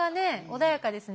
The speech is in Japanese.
穏やかですね。